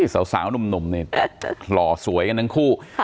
สาวนุ่มนี่หล่อสวยกันทั้งคู่